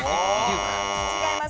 違います。